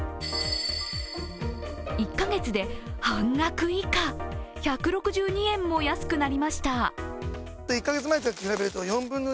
１カ月で半額以下、１６２円も安くなりました。